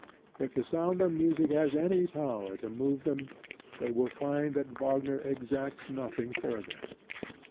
If the sound of music has any power to move them, they will find that Wagner exacts nothing further.